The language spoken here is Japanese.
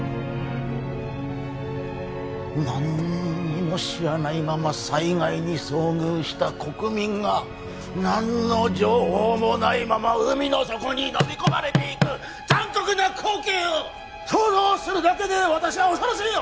何にも知らないまま災害に遭遇した国民が何の情報もないまま海の底にのみ込まれていく残酷な光景を想像するだけで私は恐ろしいよ！